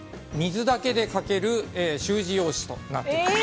◆水だけで書ける習字用紙となっています。